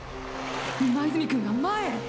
今泉くんが前へ！！